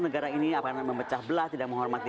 negara ini memecah belah tidak menghormati